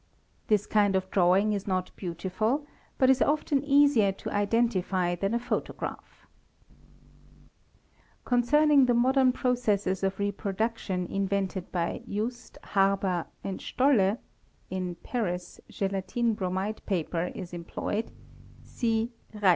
Thi kind of drawing is not beautiful but is foes easier to identify thal photograph ©!®,|¥ Concerning the modern processes of reproduction invented by Jusi Harber, and Stolle, Gn Paris, Gelatine Bromide paper is employed) se Reiss ©, aie yall Section x.